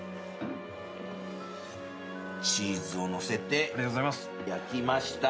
チーズをのせて焼きました。